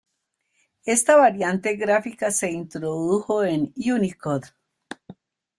Esta variante gráfica se introdujo en Unicode.